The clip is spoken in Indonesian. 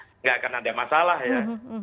tidak akan ada masalah ya